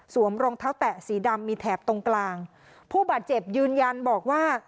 รองเท้าแตะสีดำมีแถบตรงกลางผู้บาดเจ็บยืนยันบอกว่า